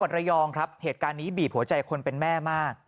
ระยองครับเหตุการณ์นี้บีบหัวใจคนเป็นแม่มาก